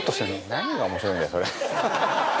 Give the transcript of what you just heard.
「何が面白いんだよそれ」